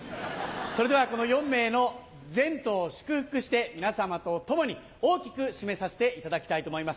それではこの４名の前途を祝福して皆さまと共に大きく締めさせていただきたいと思います。